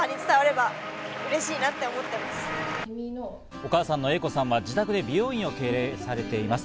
お母さんの英子さんは自宅で美容院を経営されています。